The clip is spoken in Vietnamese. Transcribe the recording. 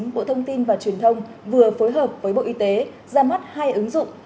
bộ thông tin và truyền thông vừa phối hợp với bộ y tế ra mắt hai ứng dụng